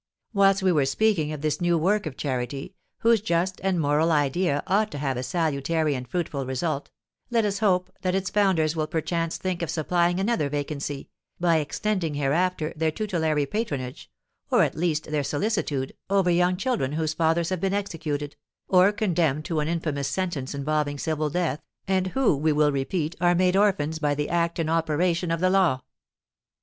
Whilst we are speaking of this new work of charity, whose just and moral idea ought to have a salutary and fruitful result, let us hope that its founders will perchance think of supplying another vacancy, by extending hereafter their tutelary patronage, or, at least, their solicitude, over young children whose fathers have been executed, or condemned to an infamous sentence involving civil death, and who, we will repeat, are made orphans by the act and operation of the law.